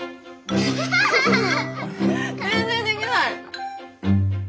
全然できない。